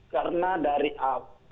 karena dari apa